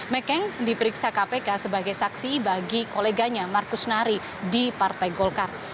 mekeng diperiksa kpk sebagai saksi bagi koleganya markus nari di partai golkar